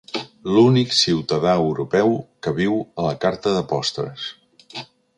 L'únic ciutadà europeu que viu a la carta de postres.